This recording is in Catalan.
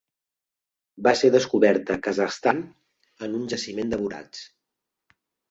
Va ser descoberta Kazakhstan en un jaciment de borats.